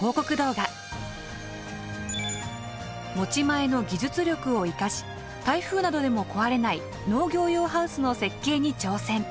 持ち前の技術力を生かし台風などでも壊れない農業用ハウスの設計に挑戦。